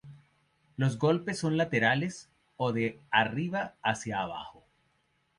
Los golpes son laterales o de arriba hacia abajo.